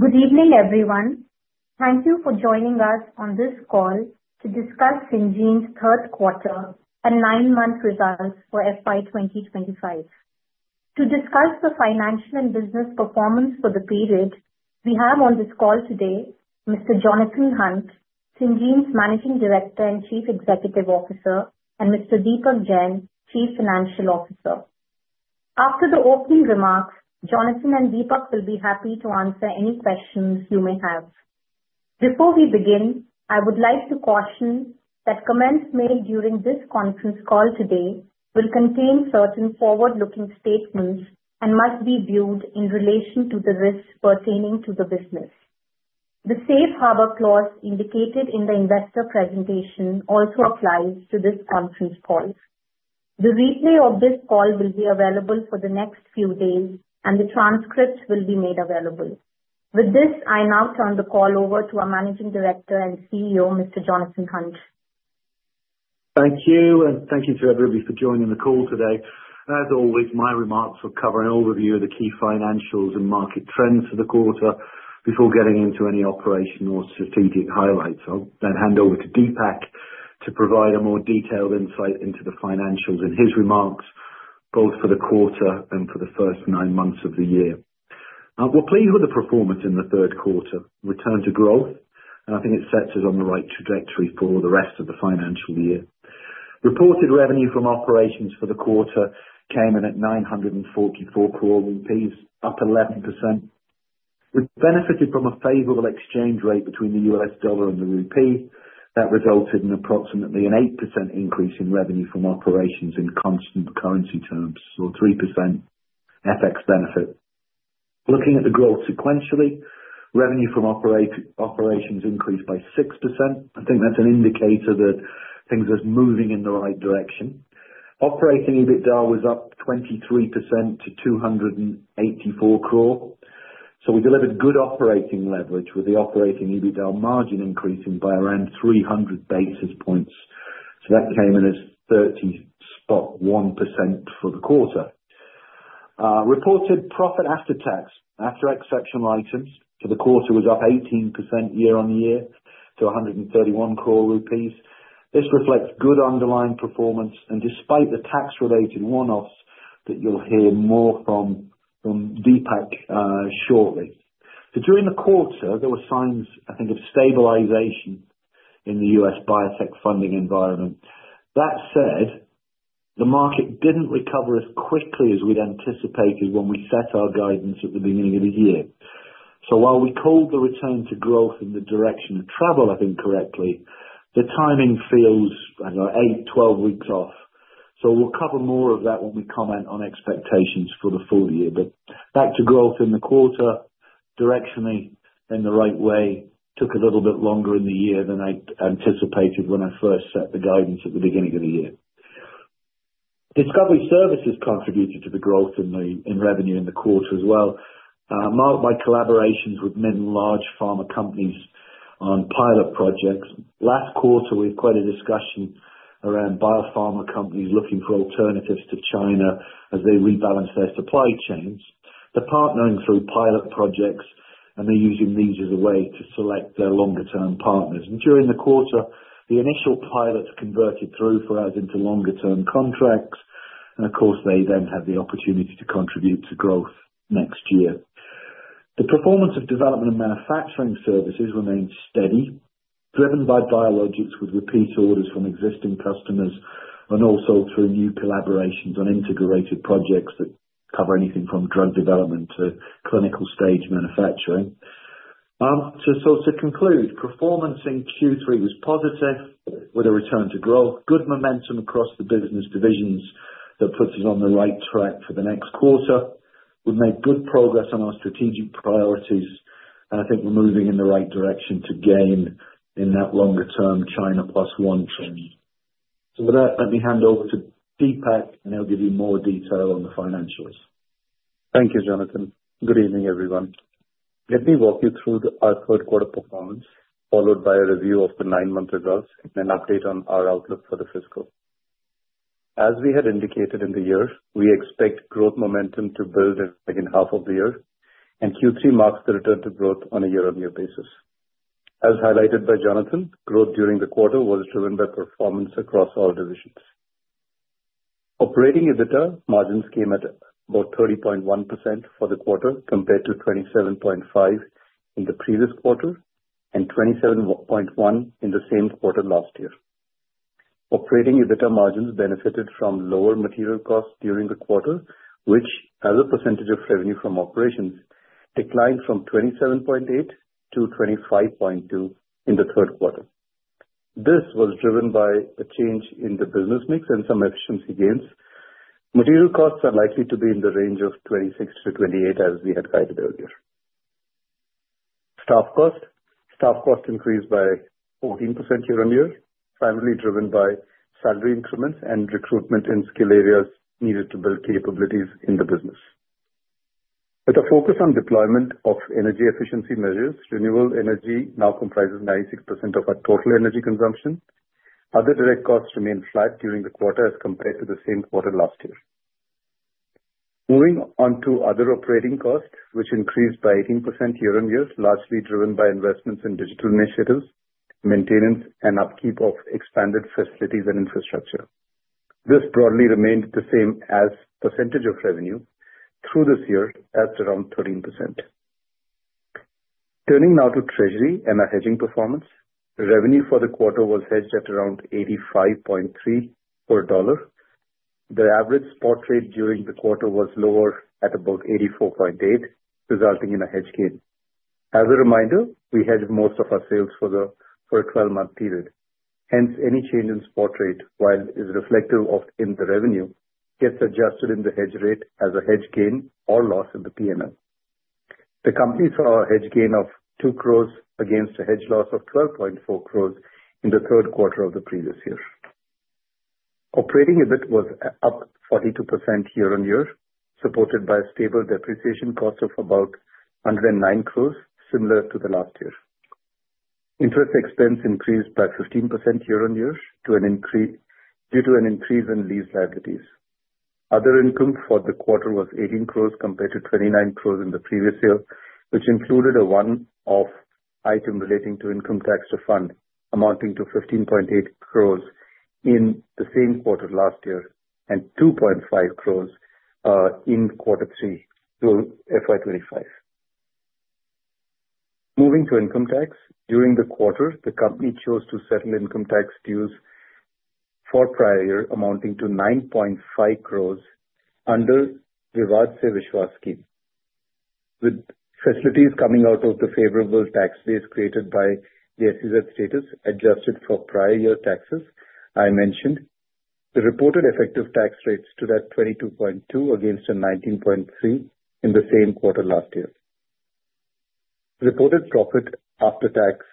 Good evening, everyone. Thank you for joining us on this call to discuss Syngene's Q3 and nine-month results for FY 2025. To discuss the financial and business performance for the period, we have on this call today Mr. Jonathan Hunt, Syngene's Managing Director and Chief Executive Officer, and Mr. Deepak Jain, Chief Financial Officer. After the opening remarks, Jonathan and Deepak will be happy to answer any questions you may have. Before we begin, I would like to caution that comments made during this conference call today will contain certain forward-looking statements and must be viewed in relation to the risks pertaining to the business. The safe harbor clause indicated in the investor presentation also applies to this conference call. The replay of this call will be available for the next few days, and the transcripts will be made available. With this, I now turn the call over to our Managing Director and CEO, Mr. Jonathan Hunt. Thank you, and thank you to everybody for joining the call today. As always, my remarks will cover an overview of the key financials and market trends for the quarter before getting into any operational or strategic highlights. I'll then hand over to Deepak to provide a more detailed insight into the financials and his remarks, both for the quarter and for the first nine months of the year. We're pleased with the performance in the Q3, returned to growth, and I think it sets us on the right trajectory for the rest of the financial year. Reported revenue from operations for the quarter came in at 944 crore rupees, up 11%. We benefited from a favorable exchange rate between the US dollar and the rupee. That resulted in approximately an 8% increase in revenue from operations in constant currency terms, or 3% FX benefit. Looking at the growth sequentially, revenue from operations increased by 6%. I think that's an indicator that things are moving in the right direction. Operating EBITDA was up 23% to 284 crore so we delivered good operating leverage with the operating EBITDA margin increasing by around 300 basis points so that came in as 30.1% for the quarter. Reported profit after tax, after exceptional items for the quarter, was up 18% year on year to 131 crore rupees. This reflects good underlying performance and despite the tax-related one-offs that you'll hear more from Deepak shortly so during the quarter, there were signs, I think, of stabilization in the U.S. biotech funding environment. That said, the market didn't recover as quickly as we'd anticipated when we set our guidance at the beginning of the year. So, while we called the return to growth in the direction of travel, I think correctly, the timing feels eight, 12 weeks off. So, we'll cover more of that when we comment on expectations for the full year. But back to growth in the quarter, directionally in the right way, took a little bit longer in the year than I anticipated when I first set the guidance at the beginning of the year. Discovery Services contributed to the growth in revenue in the quarter as well, marked by collaborations with mid and large pharma companies on pilot projects. Last quarter, we had quite a discussion around biopharma companies looking for alternatives to China as they rebalance their supply chains. They're partnering through pilot projects, and they're using these as a way to select their longer-term partners. And during the quarter, the initial pilots converted through for us into longer-term contracts. Of course, they then have the opportunity to contribute to growth next year. The performance of development and manufacturing services remained steady, driven by biologics with repeat orders from existing customers and also through new collaborations on integrated projects that cover anything from drug development to clinical stage manufacturing. To conclude, performance in Q3 was positive with a return to growth, good momentum across the business divisions that puts us on the right track for the next quarter. We have made good progress on our strategic priorities, and I think we are moving in the right direction to gain in that longer-term China Plus One trend. With that, let me hand over to Deepak, and he will give you more detail on the financials. Thank you, Jonathan. Good evening, everyone. Let me walk you through our third-quarter performance, followed by a review of the nine-month results and an update on our outlook for the fiscal. As we had indicated in the year, we expect growth momentum to build in the second half of the year, and Q3 marks the return to growth on a year-on-year basis. As highlighted by Jonathan, growth during the quarter was driven by performance across all divisions. Operating EBITDA margins came at about 30.1% for the quarter compared to 27.5% in the previous quarter and 27.1% in the same quarter last year. Operating EBITDA margins benefited from lower material costs during the quarter, which, as a percentage of revenue from operations, declined from 27.8% to 25.2% in the Q3. This was driven by a change in the business mix and some efficiency gains. Material costs are likely to be in the range of 26%-28%, as we had guided earlier. Staff costs increased by 14% year on year, primarily driven by salary increments and recruitment in skill areas needed to build capabilities in the business. With a focus on deployment of energy efficiency measures, renewable energy now comprises 96% of our total energy consumption. Other direct costs remained flat during the quarter as compared to the same quarter last year. Moving on to other operating costs, which increased by 18% year on year, largely driven by investments in digital initiatives, maintenance, and upkeep of expanded facilities and infrastructure. This broadly remained the same as percentage of revenue through this year, at around 13%. Turning now to treasury and our hedging performance, revenue for the quarter was hedged at around 85.3 per dollar. The average spot rate during the quarter was lower at about 84.8, resulting in a hedge gain. As a reminder, we hedged most of our sales for a 12-month period. Hence, any change in spot rate, while it is reflective of in the revenue, gets adjusted in the hedge rate as a hedge gain or loss in the P&L. The company saw a hedge gain of 2 crores against a hedge loss of 12.4 crores in the Q3 of the previous year. Operating EBIT was up 42% year on year, supported by a stable depreciation cost of about 109 crores, similar to the last year. Interest expense increased by 15% year on year due to an increase in lease liabilities. Other income for the quarter was 18 crores compared to 29 crores in the previous year, which included a one-off item relating to income tax refund amounting to 15.8 crores in the same quarter last year and 2.5 crores in quarter three through FY 2025. Moving to income tax, during the quarter, the company chose to settle income tax dues for prior year amounting to 9.5 crores under Vivad se Vishwas scheme. With facilities coming out of the favorable tax base created by the SEZ status adjusted for prior year taxes I mentioned, the reported effective tax rate stood at 22.2% against a 19.3% in the same quarter last year. Reported profit after tax,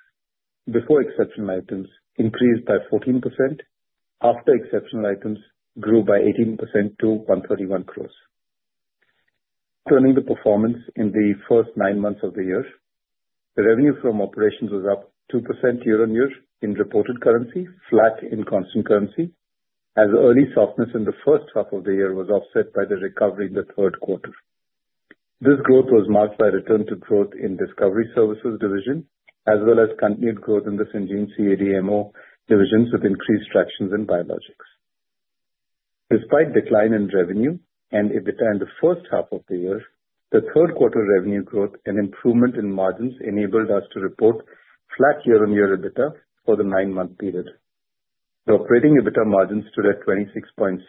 before exceptional items, increased by 14%. After exceptional items, grew by 18% to 131 crores. Turning to performance in the first nine months of the year, the revenue from operations was up 2% year on year in reported currency, flat in constant currency, as early softness in the first half of the year was offset by the recovery in the Q3. This growth was marked by return to growth in Discovery Services division, as well as continued growth in the Syngene CDMO divisions with increased traction in biologics. Despite decline in revenue and EBITDA in the first half of the year, the Q3 revenue growth and improvement in margins enabled us to report flat year-on-year EBITDA for the nine-month period. The operating EBITDA margins stood at 26.6%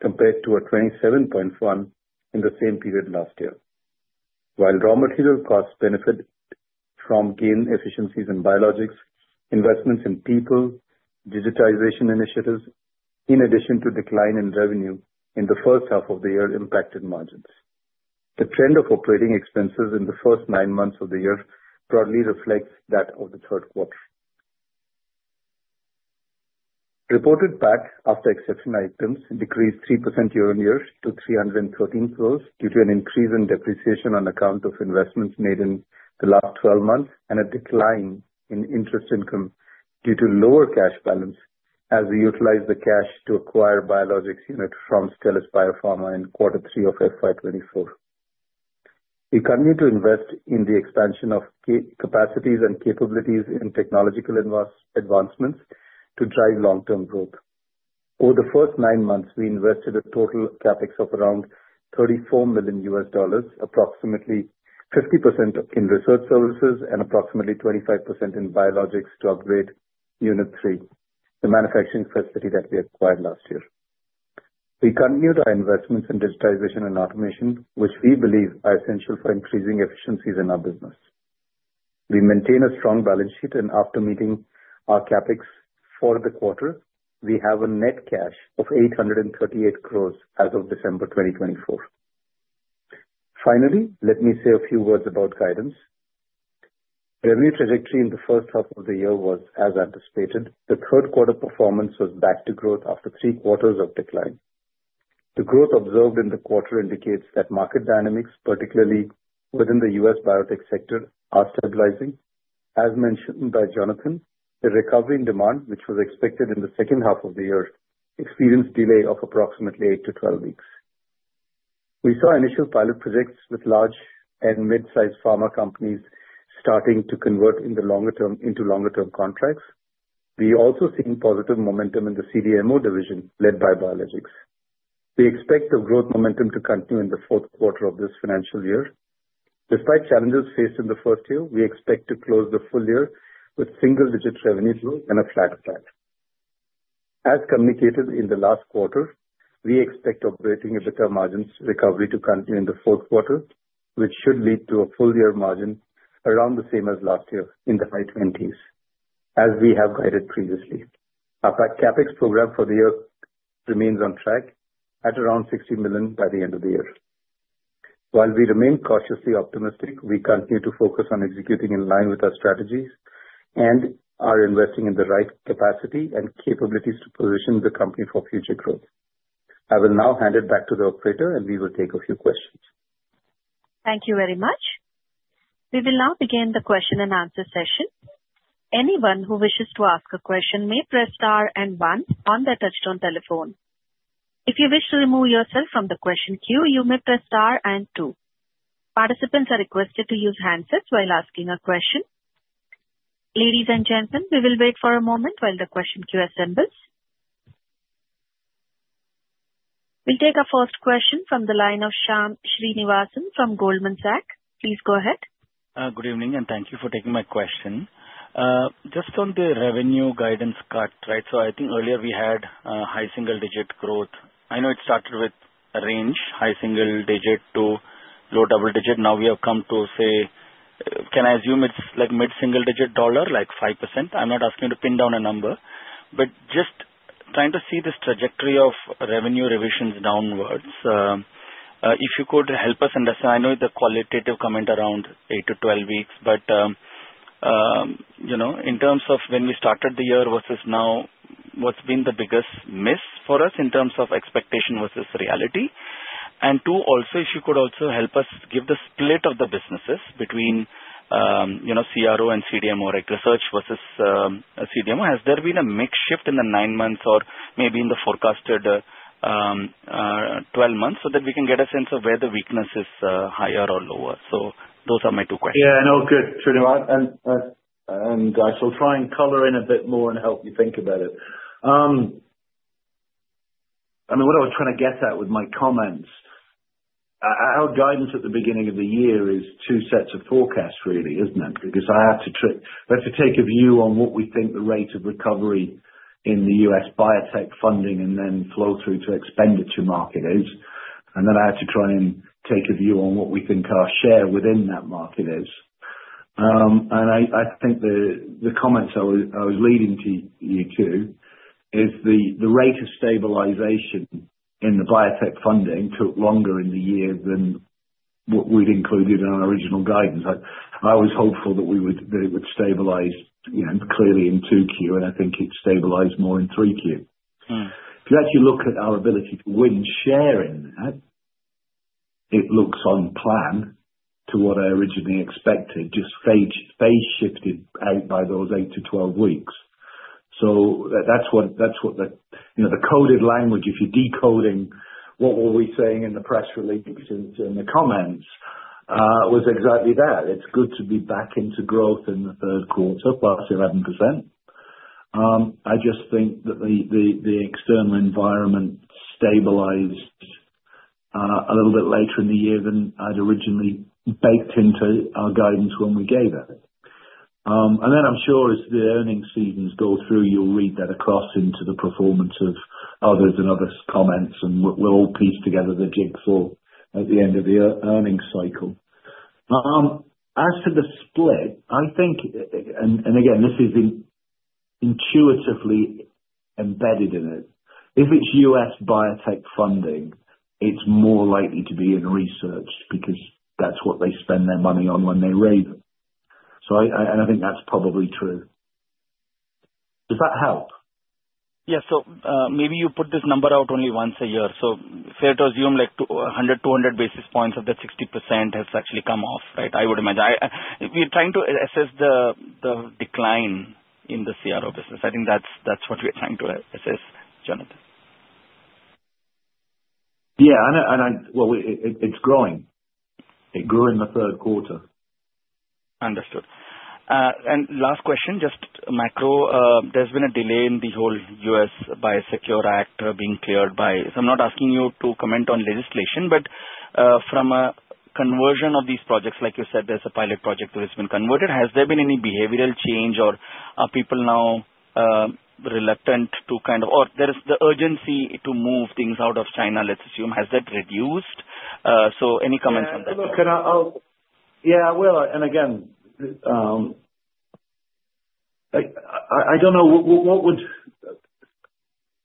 compared to a 27.1% in the same period last year. While raw material costs benefited from gains in efficiencies in biologics, investments in people, digitization initiatives, in addition to decline in revenue in the first half of the year impacted margins. The trend of operating expenses in the first nine months of the year broadly reflects that of the Q3. Reported PAT after exceptional items decreased 3% year on year to 313 crores due to an increase in depreciation on account of investments made in the last 12 months and a decline in interest income due to lower cash balance as we utilized the cash to acquire biologics unit from Stelis Biopharma in quarter three of FY 2024. We continue to invest in the expansion of capacities and capabilities and technological advancements to drive long-term growth. Over the first nine months, we invested a total CapEx of around $34 million, approximately 50% in research services and approximately 25% in biologics to upgrade unit three, the manufacturing facility that we acquired last year. We continue our investments in digitization and automation, which we believe are essential for increasing efficiencies in our business. We maintain a strong balance sheet, and after meeting our CapEx for the quarter, we have a net cash of 838 crores as of December 2024. Finally, let me say a few words about guidance. Revenue trajectory in the first half of the year was as anticipated. The Q3 performance was back to growth after three quarters of decline. The growth observed in the quarter indicates that market dynamics, particularly within the U.S. biotech sector, are stabilizing. As mentioned by Jonathan, the recovery in demand, which was expected in the second half of the year, experienced delay of approximately 8-12 weeks. We saw initial pilot projects with large and mid-sized pharma companies starting to convert in the longer term into longer-term contracts. We also see positive momentum in the CDMO division led by biologics. We expect the growth momentum to continue in the fourth quarter of this financial year. Despite challenges faced in the first year, we expect to close the full year with single-digit revenue growth and a flat EBITDA. As communicated in the last quarter, we expect operating EBITDA margins recovery to continue in the fourth quarter, which should lead to a full-year margin around the same as last year in the high 20s, as we have guided previously. Our CapEx program for the year remains on track at around $60 million by the end of the year. While we remain cautiously optimistic, we continue to focus on executing in line with our strategies and are investing in the right capacity and capabilities to position the company for future growth. I will now hand it back to the operator, and we will take a few questions. Thank you very much. We will now begin the question and answer session. Anyone who wishes to ask a question may press star and one on their touch-tone telephone. If you wish to remove yourself from the question queue, you may press star and two. Participants are requested to use handsets while asking a question. Ladies and gentlemen, we will wait for a moment while the question queue assembles. We'll take our first question from the line of Shyam Srinivasan from Goldman Sachs. Please go ahead. Good evening, and thank you for taking my question. Just on the revenue guidance cut, right? So I think earlier we had high single-digit growth. I know it started with a range, high single-digit to low double-digit. Now we have come to, say, can I assume it's like mid-single-digit dollar, like 5%? I'm not asking you to pin down a number, but just trying to see this trajectory of revenue revisions downwards. If you could help us understand, I know the qualitative comment around 8-12 weeks, but in terms of when we started the year versus now, what's been the biggest miss for us in terms of expectation versus reality? And two, also, if you could also help us give the split of the businesses between CRO and CDMO, like research versus CDMO. Has there been a mixed shift in the nine months or maybe in the forecasted 12 months so that we can get a sense of where the weakness is, higher or lower? So those are my two questions. Yeah, no, good, Srinivasan. I shall try and color in a bit more and help you think about it. I mean, what I was trying to get at with my comments, our guidance at the beginning of the year is two sets of forecasts, really, isn't it? Because I have to take a view on what we think the rate of recovery in the U.S. biotech funding and then flow through to expenditure market is. And then I have to try and take a view on what we think our share within that market is. And I think the comments I was leading to you too is the rate of stabilization in the biotech funding took longer in the year than what we'd included in our original guidance. I was hopeful that it would stabilize clearly in 2Q, and I think it stabilized more in 3Q. If you actually look at our ability to win share in that, it looks on plan to what I originally expected, just phase shifted out by those 8-12 weeks. So that's what the coded language, if you're decoding what we're saying in the press release and in the comments, was exactly that. It's good to be back into growth in the Q3, plus 11%. I just think that the external environment stabilized a little bit later in the year than I'd originally baked into our guidance when we gave it, and then I'm sure as the earnings seasons go through, you'll read that across into the performance of others and other comments, and we'll all piece together the big picture at the end of the earnings cycle. As to the split, I think, and again, this is intuitively embedded in it. If it's U.S. biotech funding, it's more likely to be in research because that's what they spend their money on when they raise it. And I think that's probably true. Does that help? Yeah, so maybe you put this number out only once a year. So fair to assume like 100-200 basis points of that 60% has actually come off, right? I would imagine. We're trying to assess the decline in the CRO business. I think that's what we're trying to assess, Jonathan. Yeah, and it's growing. It grew in the Q3. Understood. And last question, just macro, there's been a delay in the whole U.S. Biosecure Act being cleared by, so I'm not asking you to comment on legislation, but from a conversion of these projects, like you said, there's a pilot project that has been converted. Has there been any behavioral change or are people now reluctant to kind of, or there is the urgency to move things out of China, let's assume, has that reduced? So any comments on that? Yeah, I will. And again, I don't know what a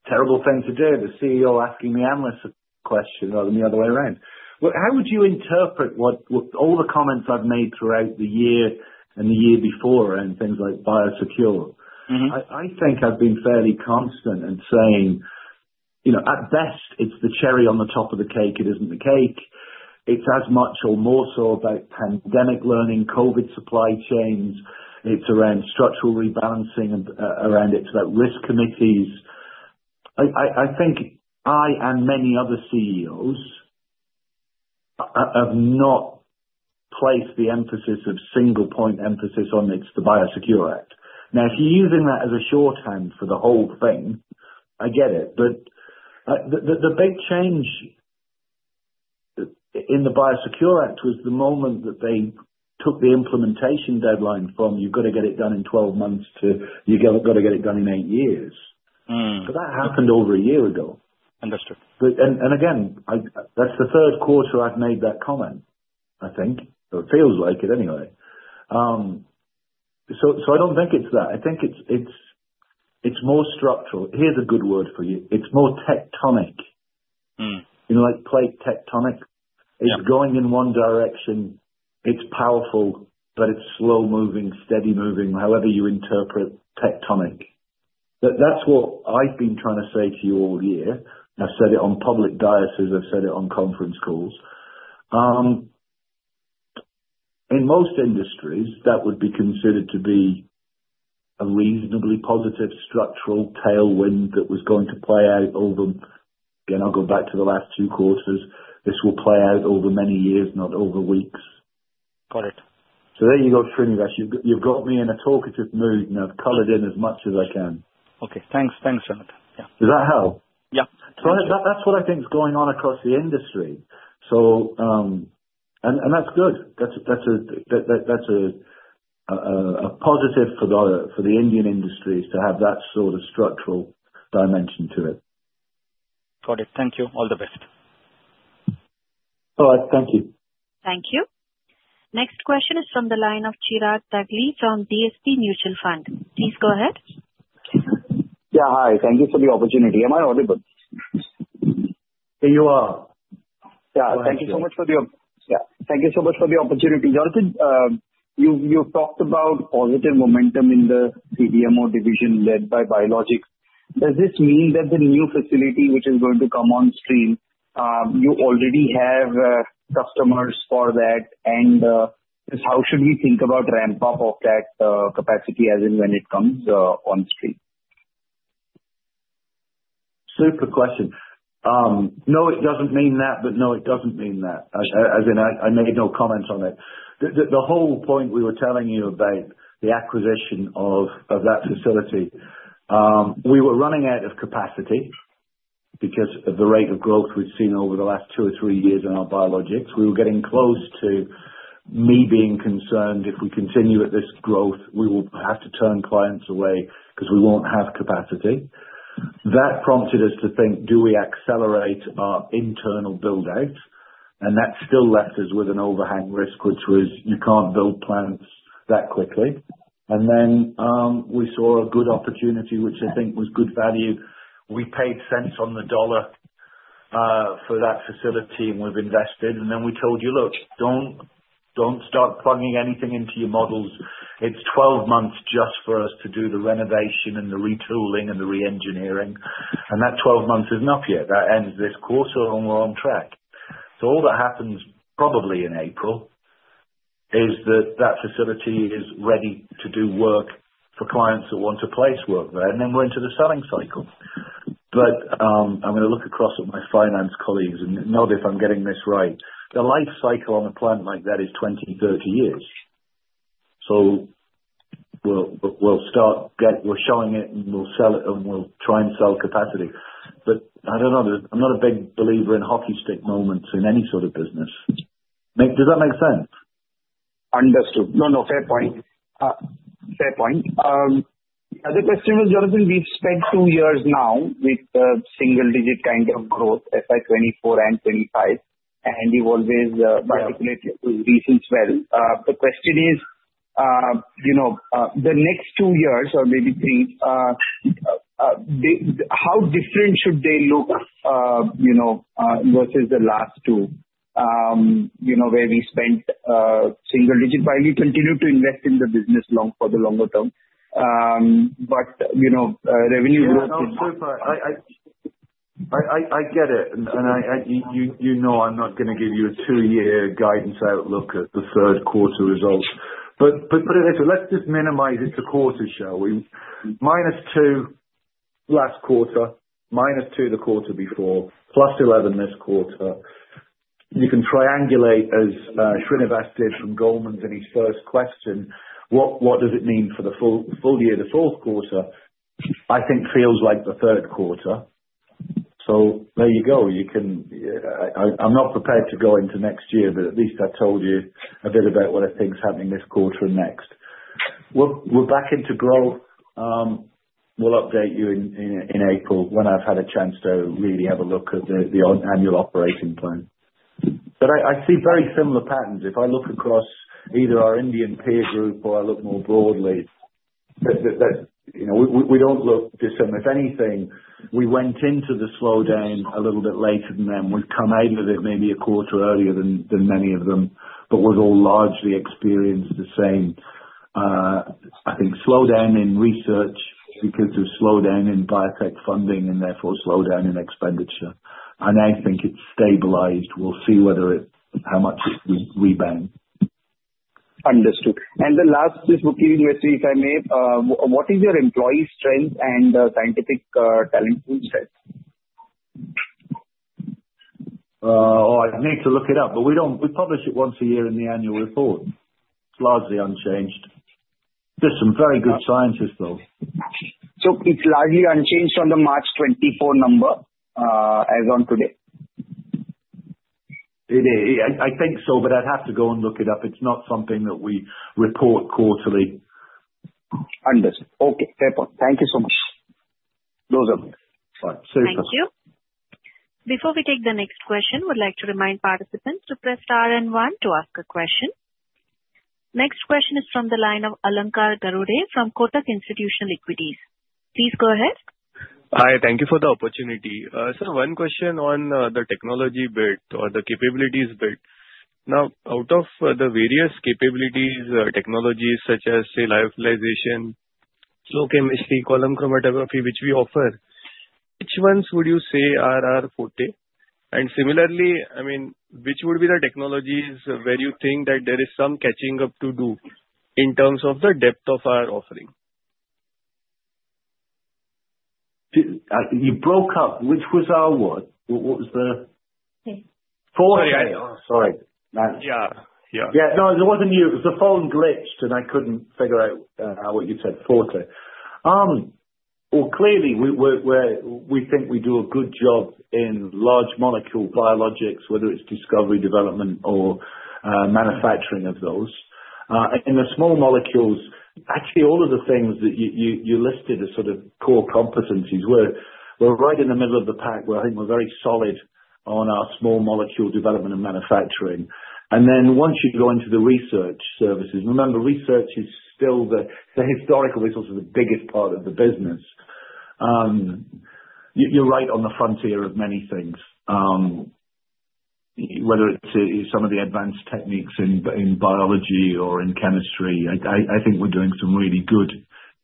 terrible thing to do, the CEO asking the analysts a question rather than the other way around. How would you interpret all the comments I've made throughout the year and the year before around things like biosecure? I think I've been fairly constant in saying at best, it's the cherry on the top of the cake. It isn't the cake. It's as much or more so about pandemic learning, COVID supply chains. It's around structural rebalancing around it, about risk committees. I think I and many other CEOs have not placed the emphasis of single-point emphasis on it's the Biosecure Act. Now, if you're using that as a shorthand for the whole thing, I get it. But the big change in the Biosecure Act was the moment that they took the implementation deadline from, "You've got to get it done in 12 months," to, "You've got to get it done in eight years." But that happened over a year ago. And again, that's the Q3 I've made that comment, I think, or it feels like it anyway. So I don't think it's that. I think it's more structural. Here's a good word for you. It's more tectonic. You know, like plate tectonic. It's going in one direction. It's powerful, but it's slow-moving, steady-moving, however you interpret tectonic. That's what I've been trying to say to you all year. I've said it on public daises. I've said it on conference calls. In most industries, that would be considered to be a reasonably positive structural tailwind that was going to play out over, again, I'll go back to the last two quarters. This will play out over many years, not over weeks. So there you go, Srinivasan. You've got me in a talkative mood, and I've colored in as much as I can. Okay. Thanks, Jonathan. Yeah. Does that help? Yeah. That's what I think is going on across the industry, and that's good. That's a positive for the Indian industries to have that sort of structural dimension to it. Got it. Thank you. All the best. All right. Thank you. Thank you. Next question is from the line of Chirag Dagli from DSP Mutual Fund. Please go ahead. Yeah, hi. Thank you for the opportunity. Am I audible? You are. Yeah. Thank you so much for the opportunity. Jonathan, you've talked about positive momentum in the CDMO division led by Biologics. Does this mean that the new facility which is going to come on stream, you already have customers for that? And how should we think about ramp-up of that capacity as in when it comes on stream? Super question. No, it doesn't mean that, but no, it doesn't mean that. As in, I made no comments on it. The whole point we were telling you about the acquisition of that facility, we were running out of capacity because of the rate of growth we'd seen over the last two or three years in our Biologics. We were getting close to me being concerned if we continue at this growth, we will have to turn clients away because we won't have capacity. That prompted us to think, do we accelerate our internal build-out? And that still left us with an overhang risk, which was you can't build plants that quickly. And then we saw a good opportunity, which I think was good value. We paid cents on the dollar for that facility, and we've invested. And then we told you, "Look, don't start plugging anything into your models. It's 12 months just for us to do the renovation and the retooling and the re-engineering," and that 12 months is not here. That ends this quarter, and we're on track, so all that happens probably in April is that that facility is ready to do work for clients that want to place work there, and then we're into the selling cycle, but I'm going to look across at my finance colleagues and know if I'm getting this right, the life cycle on a plant like that is 20, 30 years, so we'll start showing it, and we'll sell it, and we'll try and sell capacity, but I don't know. I'm not a big believer in hockey stick moments in any sort of business. Does that make sense? Understood. No, no, fair point. Fair point. Other question was, Jonathan, we've seen two years now with single-digit kind of growth, FY 2024 and 2025, and you've always articulated resilience well. The question is, the next two years or maybe three, how different should they look versus the last two where we've seen single-digit while we continue to invest in the business for the longer term? But revenue growth. No, no, no. I get it. And you know I'm not going to give you a two-year guidance outlook at the Q3 results. But let's just minimize it to quarters, shall we? Minus two last quarter, minus two the quarter before, plus 11 this quarter. You can triangulate as Srinivas did from Goldman's in his first question. What does it mean for the full year, the fourth quarter? I think feels like the Q3. So there you go. I'm not prepared to go into next year, but at least I told you a bit about what I think's happening this quarter and next. We're back into growth. We'll update you in April when I've had a chance to really have a look at the annual operating plan. But I see very similar patterns. If I look across either our Indian peer group or I look more broadly, we don't look dissimilar. If anything, we went into the slowdown a little bit later than them. We've come out of it maybe a quarter earlier than many of them, but we've all largely experienced the same, I think, slowdown in research because of slowdown in biotech funding and therefore slowdown in expenditure, and I think it's stabilized. We'll see how much it rebounds. Understood. And the last question, if I may, what is your employee strength and scientific talent pool? Oh, I'd need to look it up, but we publish it once a year in the annual report. It's largely unchanged. There's some very good scientists, though. So it's largely unchanged on the March 24 number as on today? It is. I think so, but I'd have to go and look it up. It's not something that we report quarterly. Understood. Okay. Fair point. Thank you so much. Those are good. All right. Super. Thank you. Before we take the next question, we'd like to remind participants to press star and one to ask a question. Next question is from the line of Alankar Garude from Kotak Institutional Equities. Please go ahead. Hi. Thank you for the opportunity. Sir, one question on the technology bit or the capabilities bit. Now, out of the various capabilities, technologies such as, say, lyophilization, flow chemistry, column chromatography, which we offer, which ones would you say are our forte? And similarly, I mean, which would be the technologies where you think that there is some catching up to do in terms of the depth of our offering? You broke up. Which was our word? What was the? Forte. Sorry. Yeah. Yeah. No, it wasn't you. It was the phone glitched, and I couldn't figure out what you said. Forte. Well, clearly, we think we do a good job in large molecule biologics, whether it's discovery, development, or manufacturing of those. In the small molecules, actually, all of the things that you listed as sort of core competencies were right in the middle of the pack where I think we're very solid on our small molecule development and manufacturing. And then once you go into the research services, remember, research is still the historical resource of the biggest part of the business. You're right on the frontier of many things, whether it's some of the advanced techniques in biology or in chemistry. I think we're doing some really good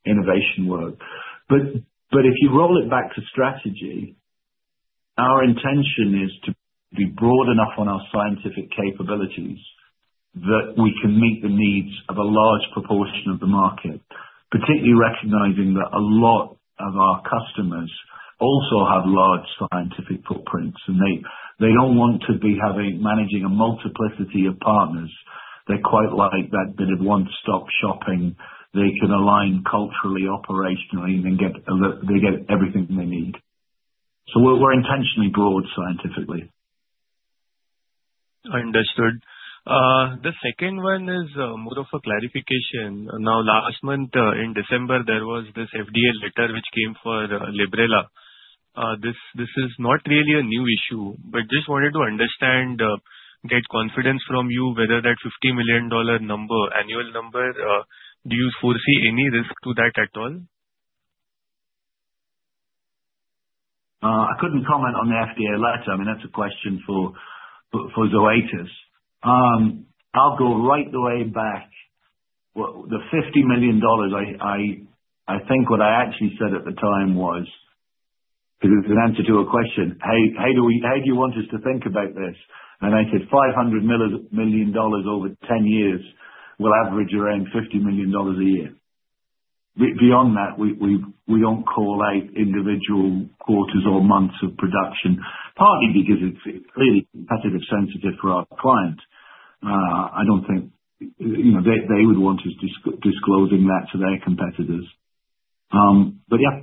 innovation work. But if you roll it back to strategy, our intention is to be broad enough on our scientific capabilities that we can meet the needs of a large proportion of the market, particularly recognizing that a lot of our customers also have large scientific footprints. And they don't want to be managing a multiplicity of partners. They're quite like that bit of one-stop shopping. They can align culturally, operationally, and then they get everything they need. So we're intentionally broad scientifically. Understood. The second one is more of a clarification. Now, last month in December, there was this FDA letter which came for Librela. This is not really a new issue, but just wanted to understand, get confidence from you, whether that $50 million annual number, do you foresee any risk to that at all? I couldn't comment on the FDA letter. I mean, that's a question for Zoetis. I'll go right the way back. The $50 million, I think what I actually said at the time was, as an answer to a question, "Hey, how do you want us to think about this?" And I said, "$500 million over 10 years will average around $50 million a year." Beyond that, we don't collate individual quarters or months of production, partly because it's really competitive-sensitive for our clients. I don't think they would want us disclosing that to their competitors. But yeah,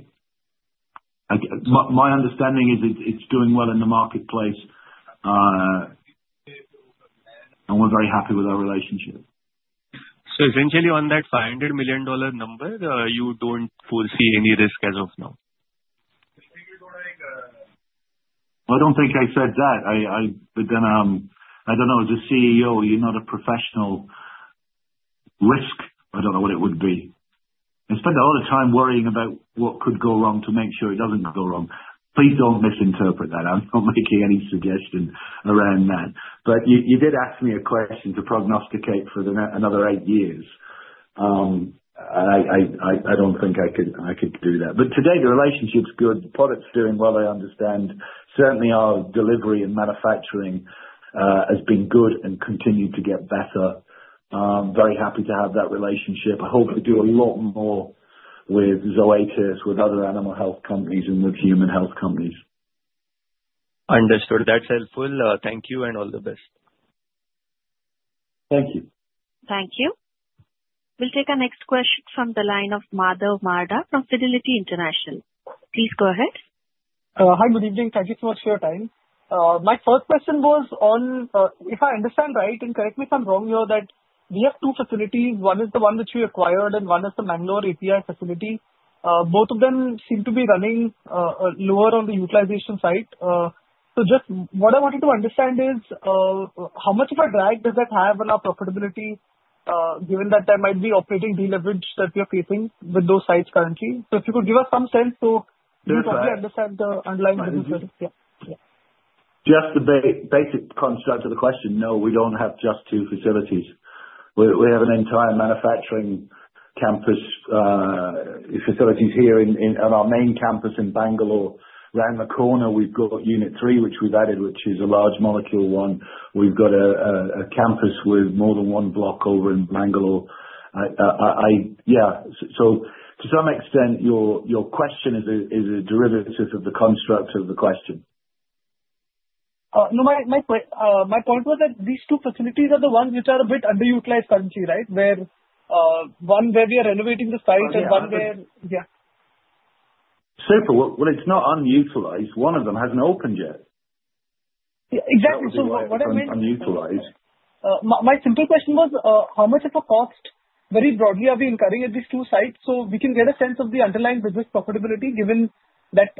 my understanding is it's doing well in the marketplace, and we're very happy with our relationship. So essentially on that $500 million number, you don't foresee any risk as of now? I don't think I said that. But then I don't know. As a CEO, you're not a professional risk. I don't know what it would be. I spend a lot of time worrying about what could go wrong to make sure it doesn't go wrong. Please don't misinterpret that. I'm not making any suggestion around that. But you did ask me a question to prognosticate for another eight years. I don't think I could do that. But today, the relationship's good. The product's doing well. I understand. Certainly, our delivery and manufacturing has been good and continued to get better. I'm very happy to have that relationship. I hope to do a lot more with Zoetis, with other animal health companies, and with human health companies. Understood. That's helpful. Thank you and all the best. Thank you. Thank you. We'll take our next question from the line of Madhav Marda from Fidelity International. Please go ahead. Hi. Good evening. Thank you so much for your time. My first question was on, if I understand right, and correct me if I'm wrong, that we have two facilities. One is the one which we acquired, and one is the Mangalore API facility. Both of them seem to be running lower on the utilization side. So just what I wanted to understand is how much of a drag does that have on our profitability, given that there might be operating deleverage that we are facing with those sites currently? So if you could give us some sense to probably understand the underlying business. Just the basic construct of the question. No, we don't have just two facilities. We have an entire manufacturing campus facilities here on our main campus in Bangalore. Around the corner, we've got unit three, which we've added, which is a large molecule one. We've got a campus with more than one block over in Bangalore. Yeah. So to some extent, your question is a derivative of the construct of the question. No, my point was that these two facilities are the ones which are a bit underutilized currently, right? One where we are renovating the site and one where. Super. Well, it's not unutilized. One of them hasn't opened yet. Exactly. So what I meant. It's not unutilized. My simple question was, how much of a cost, very broadly, are we incurring at these two sites? So we can get a sense of the underlying business profitability, given that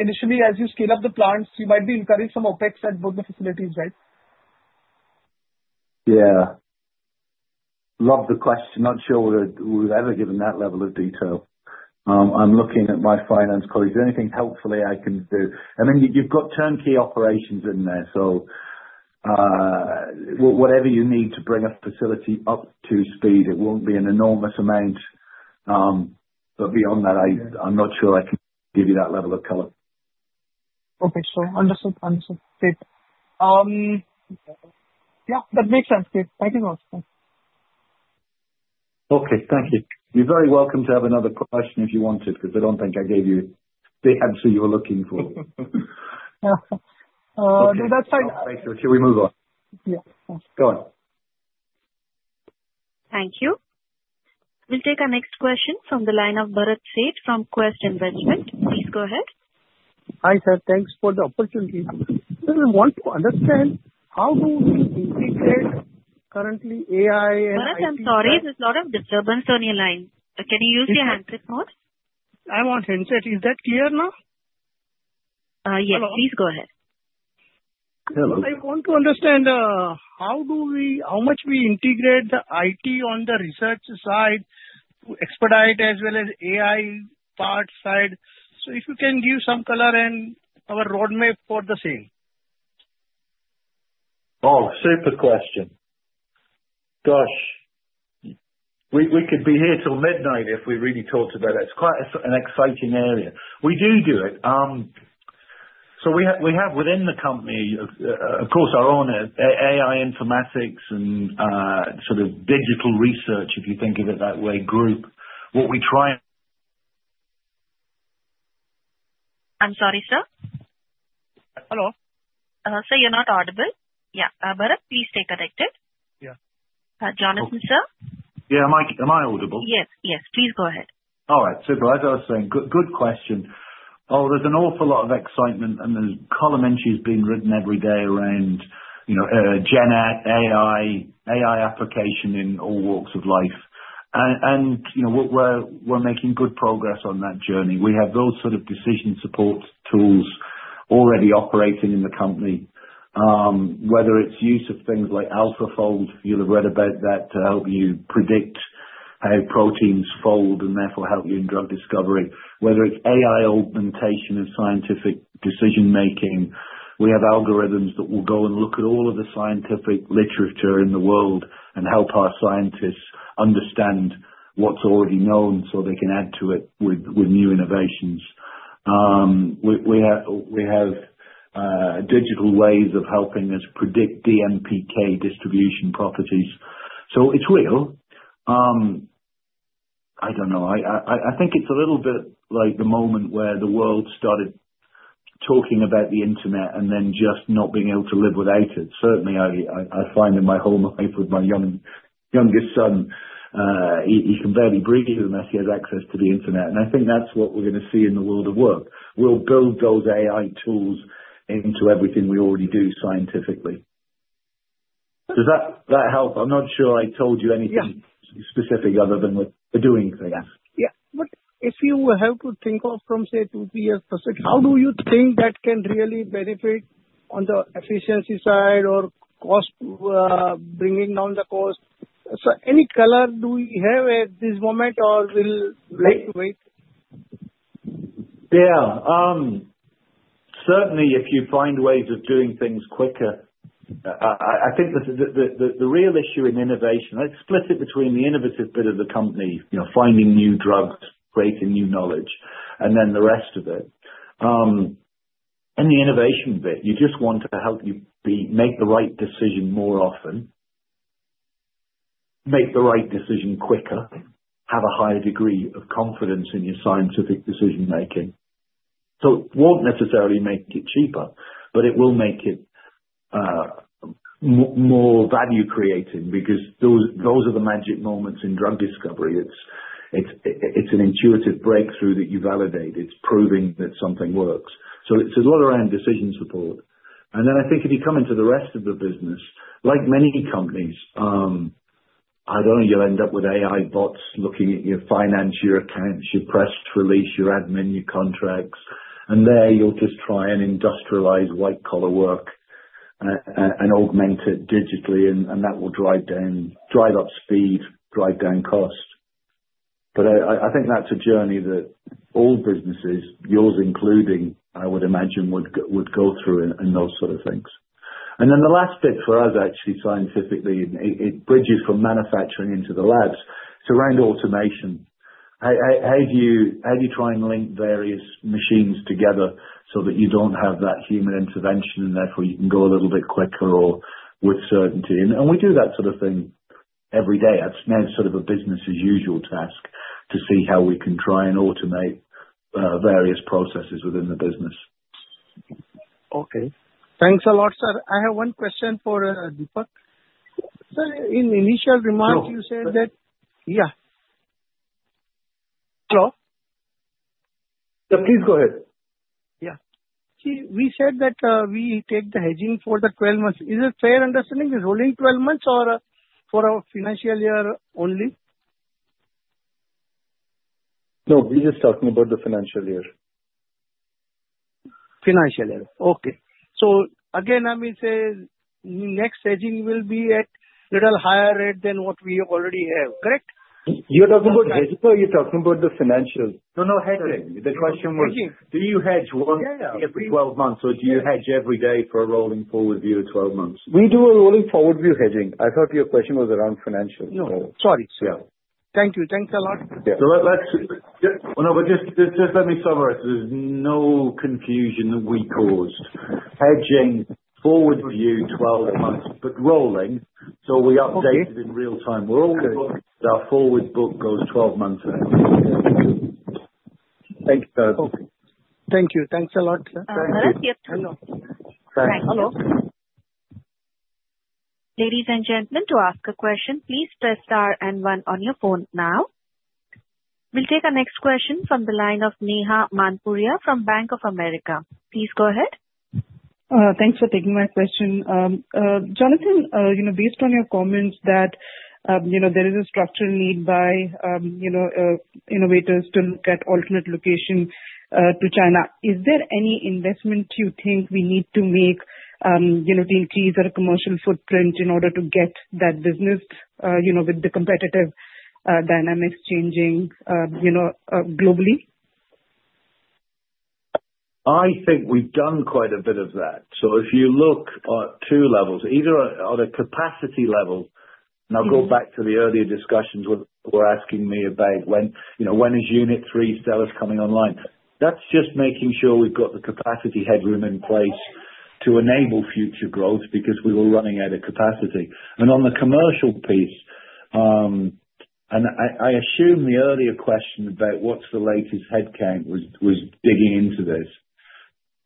initially, as you scale up the plants, you might be incurring some OpEx at both the facilities, right? Yeah. Love the question. Not sure we've ever given that level of detail. I'm looking at my finance colleagues. Is there anything helpful I can do? I mean, you've got turnkey operations in there. So whatever you need to bring a facility up to speed, it won't be an enormous amount. But beyond that, I'm not sure I can give you that level of color. Okay. Sure. Understood. Understood. Yeah. That makes sense. Thank you so much. Okay. Thank you. You're very welcome to have another question if you wanted because I don't think I gave you the answer you were looking for. Thank you. Should we move on? Yeah. Go on. Thank you. We'll take our next question from the line of Bharat Sheth from Quest Investment. Please go ahead. Hi, sir. Thanks for the opportunity. I just want to understand how do we integrate currently AI and? Bharat, I'm sorry. There's a lot of disturbance on your line. Can you use your handset mode? I want headset. Is that clear now? Yes. Please go ahead. Hello. I want to understand how much we integrate the IT on the research side to expedite as well as AI part side. So if you can give some color and our roadmap for the same. Oh, super question. Gosh. We could be here till midnight if we really talked about it. It's quite an exciting area. We do do it. So we have within the company, of course, our own AI informatics and sort of digital research, if you think of it that way, group. What we try and. I'm sorry, sir? Hello? I'll say you're not audible. Yeah. Bharat, please stay connected. Yeah. Jonathan, sir? Yeah. Am I audible? Yes. Yes. Please go ahead. All right. Super. As I was saying, good question. Oh, there's an awful lot of excitement, and the commentary is being written every day around GenAI, AI applications in all walks of life. And we're making good progress on that journey. We have those sort of decision support tools already operating in the company, whether it's use of things like AlphaFold. You'll have read about that to help you predict how proteins fold and therefore help you in drug discovery. Whether it's AI augmentation of scientific decision-making. We have algorithms that will go and look at all of the scientific literature in the world and help our scientists understand what's already known so they can add to it with new innovations. We have digital ways of helping us predict DMPK distribution properties. So it's real. I don't know. I think it's a little bit like the moment where the world started talking about the internet and then just not being able to live without it. Certainly, I find in my home life with my youngest son, he can barely breathe unless he has access to the internet. And I think that's what we're going to see in the world of work. We'll build those AI tools into everything we already do scientifically. Does that help? I'm not sure I told you anything specific other than we're doing things. Yeah. If you help to think of from, say, two years per se, how do you think that can really benefit on the efficiency side or bringing down the cost? So any color do we have at this moment, or will we have to wait? Yeah. Certainly, if you find ways of doing things quicker, I think the real issue in innovation, I split it between the innovative bit of the company, finding new drugs, creating new knowledge, and then the rest of it. And the innovation bit, you just want to help you make the right decision more often, make the right decision quicker, have a higher degree of confidence in your scientific decision-making. So it won't necessarily make it cheaper, but it will make it more value-creating because those are the magic moments in drug discovery. It's an intuitive breakthrough that you validate. It's proving that something works. So it's a lot around decision support. And then I think if you come into the rest of the business, like many companies, I don't know, you'll end up with AI bots looking at your finance, your accounts, your press release, your admin, your contracts. And there you'll just try and industrialize white-collar work and augment it digitally, and that will drive up speed, drive down cost. But I think that's a journey that all businesses, yours including, I would imagine, would go through and those sort of things. And then the last bit for us, actually, scientifically, it bridges from manufacturing into the labs. It's around automation. How do you try and link various machines together so that you don't have that human intervention and therefore you can go a little bit quicker or with certainty? And we do that sort of thing every day. That's now sort of a business-as-usual task to see how we can try and automate various processes within the business. Okay. Thanks a lot, sir. I have one question for Deepak. So in the initial remark, you said that. Go ahead. Yeah. Hello? Yeah. Please go ahead. Yeah. We said that we take the hedging for the 12 months. Is it fair understanding? Is rolling 12 months or for a financial year only? No. We're just talking about the financial year. Financial year. Okay. So again, I mean, say next hedging will be at a little higher rate than what we already have, correct? You're talking about hedging or you're talking about the financial? No, no. Hedging.. The question was, do you hedge once every 12 months or do you hedge every day for a rolling forward view of 12 months? We do a rolling forward view hedging. I thought your question was around financial. No. Sorry. Yeah. Thank you. Thanks a lot. Yeah. No, but just let me summarize. There's no confusion that we caused. Hedging forward view 12 months, but rolling. So we update it in real time. We're always looking at our forward book goes 12 months out. Thank you, sir. Okay. Thank you. Thanks a lot. Bharat, yep. Hello. Thanks. Hello. Ladies and gentlemen, to ask a question, please press star and one on your phone now. We'll take our next question from the line of Neha Manpuria from Bank of America. Please go ahead. Thanks for taking my question. Jonathan, based on your comments that there is a structural need by innovators to look at alternate location to China, is there any investment you think we need to make to increase our commercial footprint in order to get that business with the competitive dynamics changing globally? I think we've done quite a bit of that. So if you look at two levels, either at a capacity level, and I'll go back to the earlier discussions where you were asking me about when is Unit 3, Stelis coming online. That's just making sure we've got the capacity headroom in place to enable future growth because we were running out of capacity. And on the commercial piece, and I assume the earlier question about what's the latest headcount was digging into this.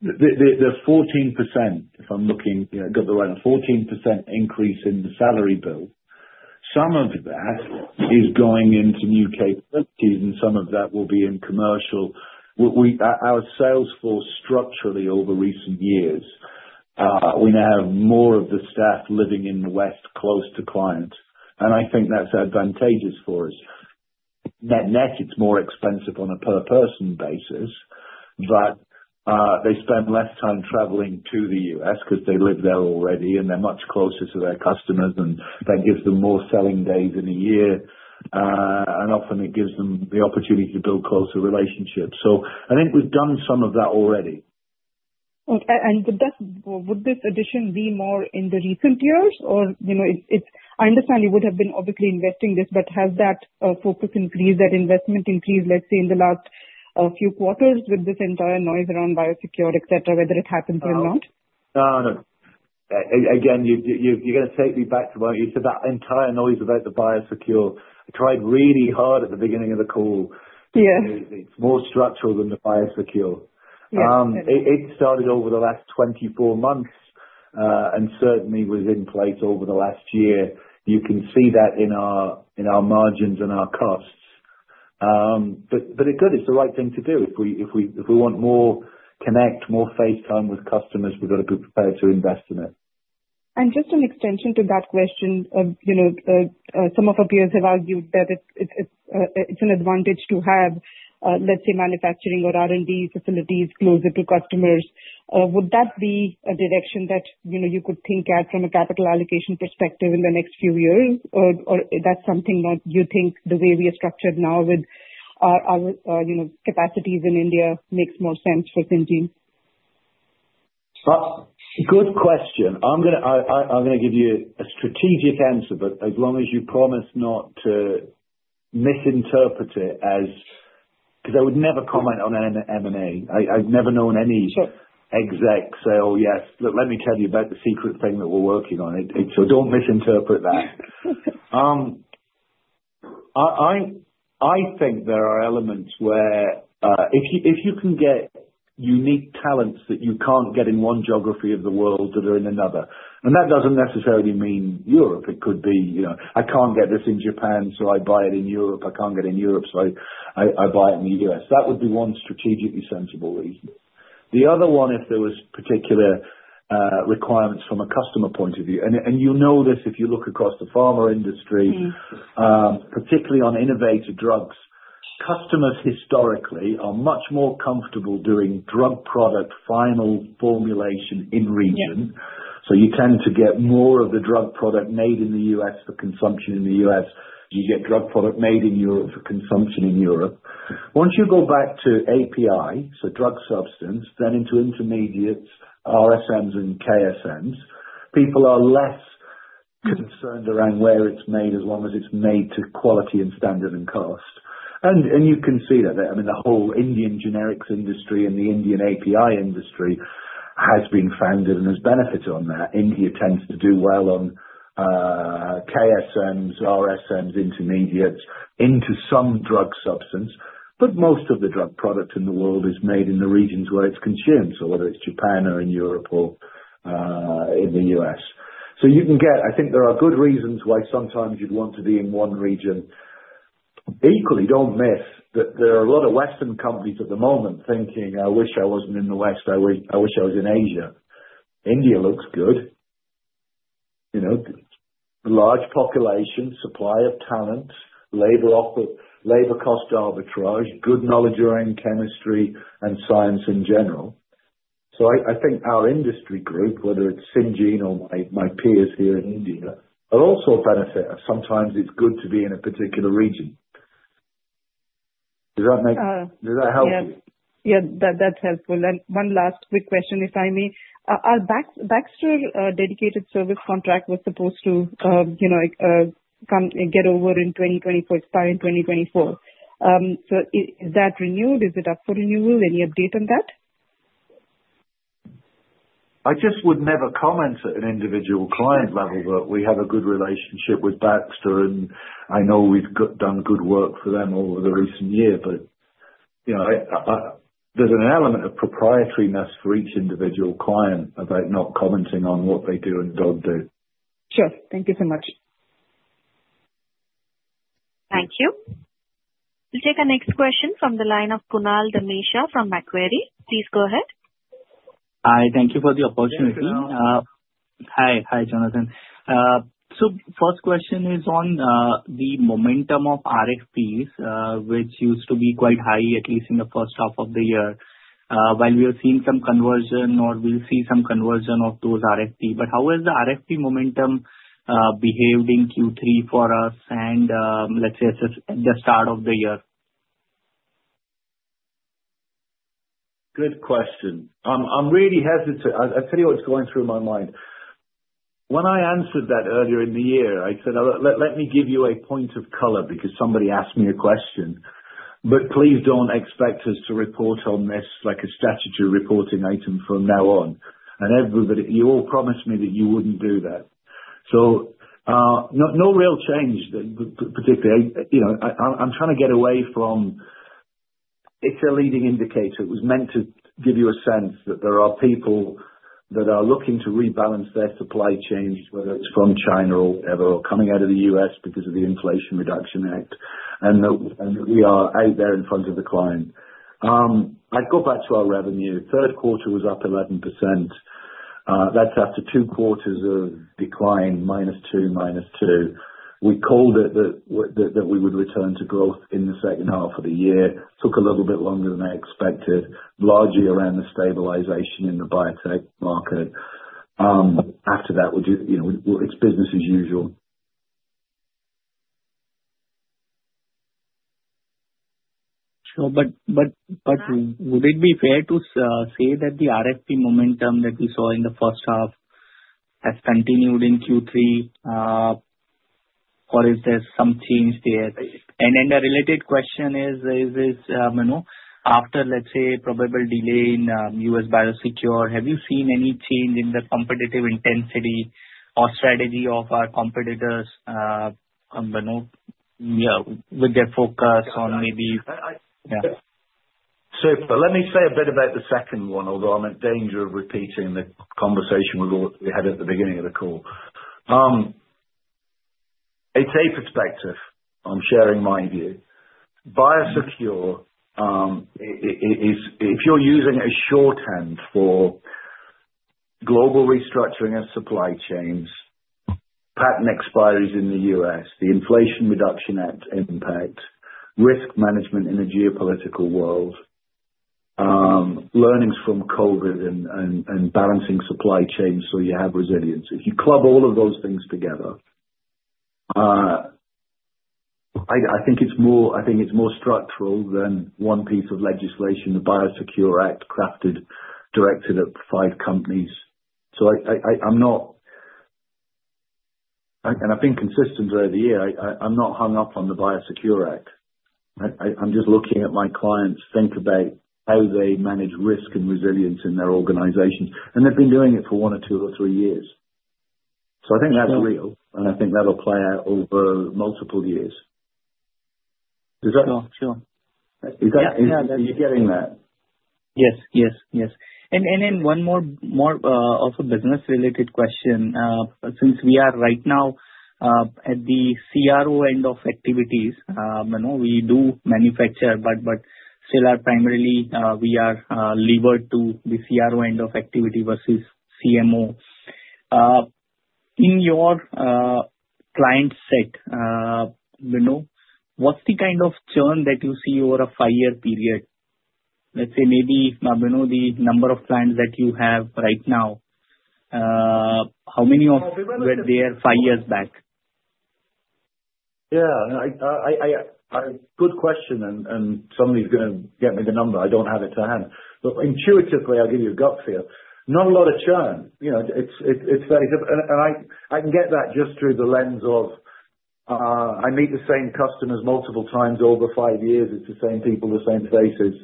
The 14%, if I'm looking, I've got the right, a 14% increase in the salary bill. Some of that is going into new capabilities, and some of that will be in commercial. Our sales force structurally over recent years, we now have more of the staff living in the West close to clients. And I think that's advantageous for us. Net net, it's more expensive on a per-person basis, but they spend less time traveling to the U.S. because they live there already, and they're much closer to their customers, and that gives them more selling days in a year, and often, it gives them the opportunity to build closer relationships, so I think we've done some of that already. Would this addition be more in the recent years? Or I understand you would have been obviously investing this, but has that focus increased, that investment increased, let's say, in the last few quarters with this entire noise around Biosecure, etc., whether it happens or not? No. No. Again, you're going to take me back to what you said, that entire noise about the Biosecure. I tried really hard at the beginning of the call. It's more structural than the Biosecure. It started over the last 24 months and certainly was in place over the last year. You can see that in our margins and our costs. But it's good. It's the right thing to do. If we want more connect, more face time with customers, we've got to be prepared to invest in it. Just an extension to that question, some of our peers have argued that it's an advantage to have, let's say, manufacturing or R&D facilities closer to customers. Would that be a direction that you could think at from a capital allocation perspective in the next few years? Or that's something that you think the way we are structured now with our capacities in India makes more sense for Syngene? Good question. I'm going to give you a strategic answer, but as long as you promise not to misinterpret it as because I would never comment on an M&A. I've never known any exec say, "Oh, yes. Look, let me tell you about the secret thing that we're working on." So don't misinterpret that. I think there are elements where if you can get unique talents that you can't get in one geography of the world that are in another. And that doesn't necessarily mean Europe. It could be, "I can't get this in Japan, so I buy it in Europe. I can't get it in Europe, so I buy it in the US." That would be one strategically sensible reason. The other one, if there were particular requirements from a customer point of view, and you'll know this if you look across the pharma industry, particularly on innovative drugs, customers historically are much more comfortable doing drug product final formulation in region. So you tend to get more of the drug product made in the U.S. for consumption in the U.S. You get drug product made in Europe for consumption in Europe. Once you go back to API, so drug substance, then into intermediates, RSMs and KSMs, people are less concerned around where it's made as long as it's made to quality and standard and cost. And you can see that. I mean, the whole Indian generics industry and the Indian API industry has been founded and has benefited on that. India tends to do well on KSMs, RSMs, intermediates into some drug substance. But most of the drug product in the world is made in the regions where it's consumed, so whether it's Japan or in Europe or in the US. So you can get, I think, there are good reasons why sometimes you'd want to be in one region. Equally, don't miss that there are a lot of Western companies at the moment thinking, "I wish I wasn't in the West. I wish I was in Asia." India looks good. Large population, supply of talent, labor cost arbitrage, good knowledge around chemistry and science in general. So I think our industry group, whether it's Syngene or my peers here in India, will also benefit. Sometimes it's good to be in a particular region. Does that help you? Yeah. Yeah. That's helpful. And one last quick question, if I may. Our Baxter dedicated service contract was supposed to get over in 2024, expiring 2024. So is that renewed? Is it up for renewal? Any update on that? I just would never comment at an individual client level, but we have a good relationship with Baxter, and I know we've done good work for them over the recent year. But there's an element of proprietariness for each individual client about not commenting on what they do and don't do. Sure. Thank you so much. Thank you. We'll take our next question from the line of Kunal Dhamesha from Macquarie. Please go ahead. Hi. Thank you for the opportunity. Hi. Hi, Jonathan. So first question is on the momentum of RFPs, which used to be quite high, at least in the first half of the year, while we were seeing some conversion or we'll see some conversion of those RFP. But how has the RFP momentum behaved in Q3 for us and, let's say, at the start of the year? Good question. I'm really hesitant. I'll tell you what's going through my mind. When I answered that earlier in the year, I said, "Let me give you a point of color because somebody asked me a question, but please don't expect us to report on this like a statutory reporting item from now on." And you all promised me that you wouldn't do that. So no real change particularly. I'm trying to get away from. It's a leading indicator. It was meant to give you a sense that there are people that are looking to rebalance their supply chains, whether it's from China or whatever, or coming out of the U.S. because of the Inflation Reduction Act, and that we are out there in front of the client. I'd go back to our revenue. Third quarter was up 11%. That's after two quarters of decline, -2%, -2%. We called it that we would return to growth in the second half of the year. Took a little bit longer than I expected, largely around the stabilization in the biotech market. After that, it's business as usual. Sure. But would it be fair to say that the RFP momentum that we saw in the first half has continued in Q3, or is there some change there? And a related question is, after, let's say, probable delay in U.S. Biosecure, have you seen any change in the competitive intensity or strategy of our competitors with their focus on maybe? Yeah. So, but let me say a bit about the second one, although I'm in danger of repeating the conversation we had at the beginning of the call. ATA perspective, I'm sharing my view. Biosecure, if you're using a shorthand for global restructuring of supply chains, patent expires in the U.S., the Inflation Reduction Act impact, risk management in a geopolitical world, learnings from COVID, and balancing supply chains so you have resiliency. If you club all of those things together, I think it's more structural than one piece of legislation, the Biosecure Act, crafted, directed at five companies. So I'm not, and I've been consistent over the year, I'm not hung up on the Biosecure Act. I'm just looking at my clients, think about how they manage risk and resilience in their organizations, and they've been doing it for one or two or three years. So I think that's real, and I think that'll play out over multiple years. Sure. Sure. Is that? Yeah. You're getting that? Yes. Yes. Yes. And then one more of a business-related question. Since we are right now at the CRO end of activities, we do manufacture, but still primarily we are levered to the CRO end of activity versus CMO. In your client set, what's the kind of churn that you see over a five-year period? Let's say maybe the number of clients that you have right now, how many were there five years back? Yeah. Good question, and somebody's going to get me the number. I don't have it to hand. But intuitively, I'll give you a gut feel. Not a lot of churn. It's very simple. And I can get that just through the lens of I meet the same customers multiple times over five years. It's the same people, the same faces.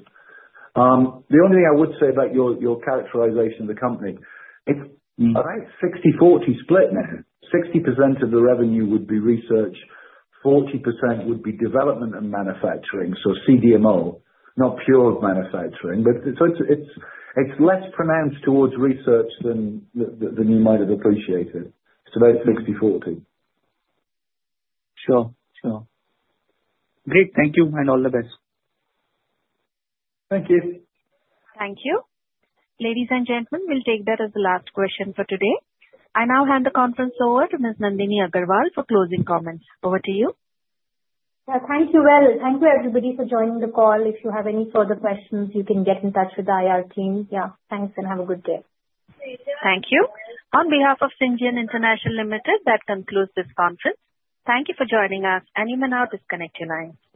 The only thing I would say about your characterization of the company, about 60%-40% split now. 60% of the revenue would be research, 40% would be development and manufacturing, so CDMO, not pure manufacturing. But it's less pronounced towards research than you might have appreciated. It's about 60%-40%. Sure. Sure. Great. Thank you, and all the best. Thank you. Thank you. Ladies and gentlemen, we'll take that as the last question for today. I now hand the conference over to Ms. Nandini Agarwal for closing comments. Over to you. Thank you, everybody, for joining the call. If you have any further questions, you can get in touch with the IR team. Thanks, and have a good day. Thank you. On behalf of Syngene International Limited, that concludes this conference. Thank you for joining us, and you may now disconnect your lines.